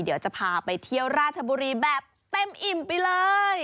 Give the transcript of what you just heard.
เดี๋ยวจะพาไปเที่ยวราชบุรีแบบเต็มอิ่มไปเลย